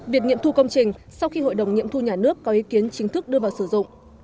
việc nghiệm thu công trình sau khi hội đồng nghiệm thu nhà nước có ý kiến chính thức đưa vào sử dụng